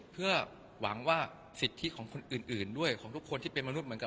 เราอยากปกป้องราชี่พรรณค์